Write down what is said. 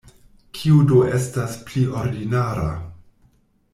Kio do estas pli ordinara?